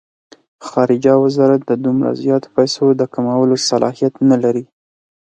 خارجه وزارت د دومره زیاتو پیسو د کمولو صلاحیت نه لري.